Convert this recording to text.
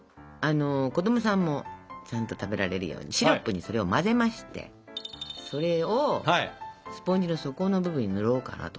子供さんもちゃんと食べられるようにシロップにそれを混ぜましてそれをスポンジの底の部分に塗ろうかなと。